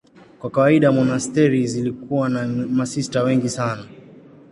Kwa kawaida monasteri zilikuwa na masista wengi sana.